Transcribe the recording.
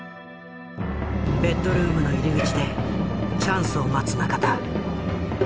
ベッドルームの入り口でチャンスを待つ仲田。